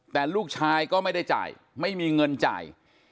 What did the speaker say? แต่ลูกชายก็ไม่ได้จ่ายไม่มีเงินจ่าย